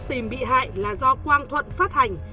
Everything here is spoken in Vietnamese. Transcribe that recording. tìm bị hại là do quang thuận phát hành